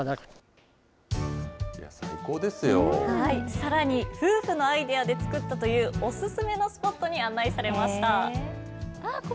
さらに、夫婦のアイデアで作ったというお勧めのスポットに案内されました。